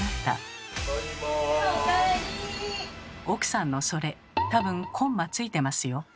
奥さんのそれ多分コンマついてますよ。